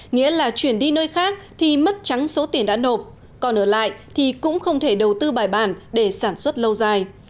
nghĩa là chuyển đi nơi khác thì mất trắng số tiền đã nộp còn ở lại thì cũng không thể đầu tư bài bản để sản xuất lâu dài